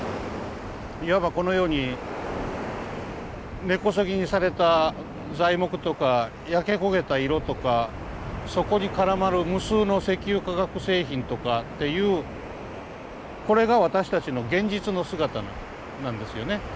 いわばこのように根こそぎにされた材木とか焼け焦げた色とかそこに絡まる無数の石油化学製品とかっていうこれが私たちの現実の姿なんですよね。